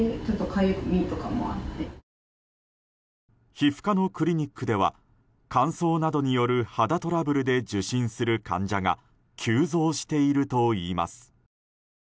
皮膚科のクリニックでは乾燥などによる肌トラブルで受診する患者が急増しているといいます。